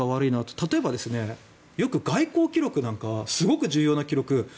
例えば、よく外交記録なんかはすごく重要な記録